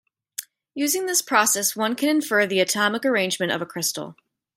Using this process, one can infer the atomic arrangement of a crystal.